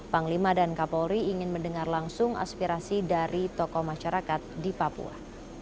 panglima dan kapolri ingin mendengar langsung aspirasi dari tokoh masyarakat di papua